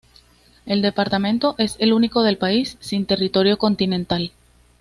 El departamento es el único del país sin territorio continental.